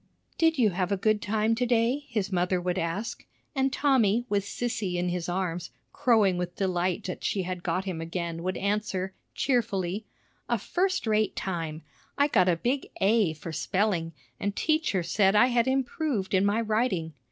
"Did you have a good time today?" his mother would ask, and Tommy, with Sissy in his arms, crowing with delight that she had got him again, would answer, cheerfully: "A first rate time. I got a big A for spelling, and teacher said I had improved in my writing."